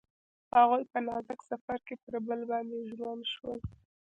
هغوی په نازک سفر کې پر بل باندې ژمن شول.